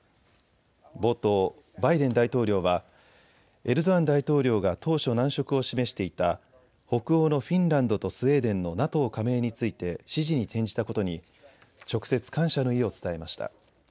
冒頭、バイデン大統領はエルドアン大統領が当初、難色を示していた北欧のフィンランドとスウェーデンのＮＡＴＯ加盟について支持に転じたことに直接、感謝の意を伝えました。